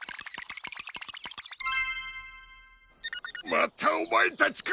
またおまえたちか！